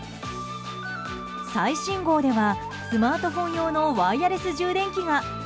最新号では、スマートフォン用のワイヤレス充電器が。